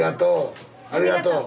ありがとう。